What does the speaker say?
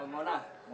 hei maunah maunah